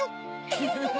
フフフ！